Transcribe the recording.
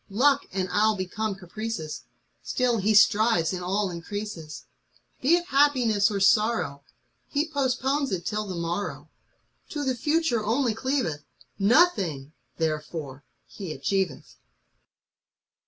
Luck and 111 become caprices ; Still he starves in all increases; Be it happiness or sorrow, He postpones it till the morrow; To the Future only cleaveth: Nothing, therefore, he achieveth.